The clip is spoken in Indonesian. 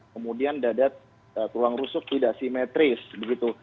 kemudian dada tulang rusuk tidak simetris begitu